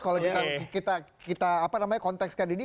kalau kita kontekskan ini